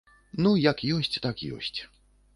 Ну, як ёсць, так ёсць.